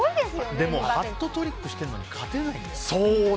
でもハットトリックしてるのに勝てないんだよ。